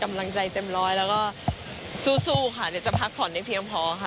กำลังใจเต็มร้อยแล้วก็สู้ค่ะเดี๋ยวจะพักผ่อนได้เพียงพอค่ะ